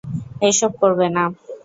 এসব করবে না।